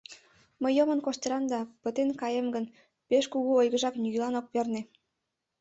Мый йомын коштынам да пытен каем гын, пеш кугу ойгыжак нигӧлан ок перне...